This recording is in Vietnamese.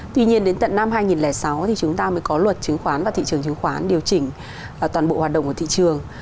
tuy nhiên đến tận năm hai nghìn sáu thì chúng ta mới có luật chứng khoán và thị trường chứng khoán điều chỉnh toàn bộ hoạt động của thị trường